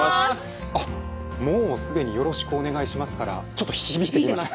あっもう既に「よろしくお願いします」からちょっと響いてきました。